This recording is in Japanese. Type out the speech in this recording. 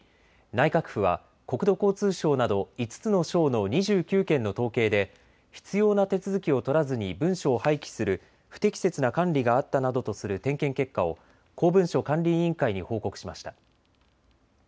内閣府は国土交通省など５つの省の２９件の統計で必要な手続きを取らずに文書を廃棄する不適切な管理があったなどとする点検結果を公文書管理委員会に報告しました。